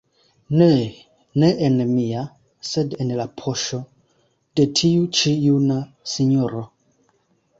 Ne, ne en mia, sed en la poŝo de tiu ĉi juna sinjoro.